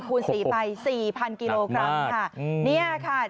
๓คูณ๔ไป๔๐๐๐กิโลกรัมถัดมาส